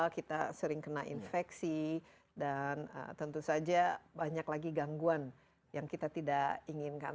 kita sering kena infeksi dan tentu saja banyak lagi gangguan yang kita tidak inginkan